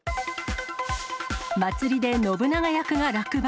祭りで信長役が落馬。